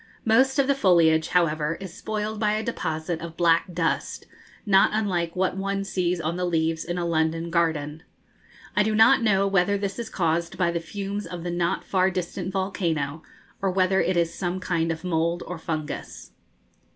Most of the foliage, however, is spoiled by a deposit of black dust, not unlike what one sees on the leaves in a London garden. I do not know whether this is caused by the fumes of the not far distant volcano, or whether it is some kind of mould or fungus.